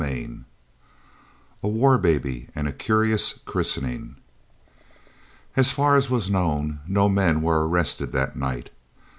CHAPTER XXIX A WAR BABY AND A CURIOUS CHRISTENING As far as was known, no men were arrested that night.